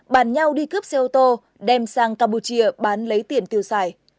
bàn nhau đi cướp xe ô tô đem sang campuchia bán lấy tiền tiêu xài